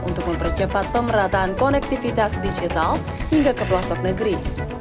untuk mempercepat pemerataan konektivitas digital hingga ke pelosok negeri